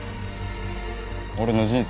俺の人生